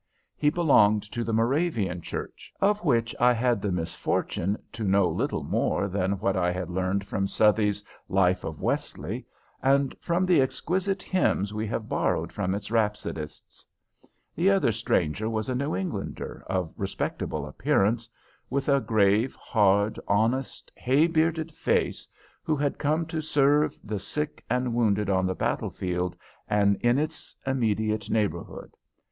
He belonged to the Moravian Church, of which I had the misfortune to know little more than what I had learned from Southey's "Life of Wesley." and from the exquisite hymns we have borrowed from its rhapsodists. The other stranger was a New Englander of respectable appearance, with a grave, hard, honest, hay bearded face, who had come to serve the sick and wounded on the battle field and in its immediate neighborhood.